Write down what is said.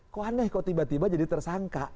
kok aneh kok tiba tiba jadi tersangka